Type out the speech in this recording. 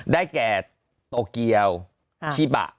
ได้แก่โตเกียวชิบะ